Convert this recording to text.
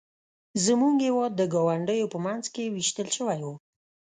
زموږ هېواد د ګاونډیو په منځ کې ویشل شوی و.